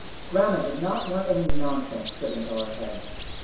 Grandma did not want any nonsense put into our heads.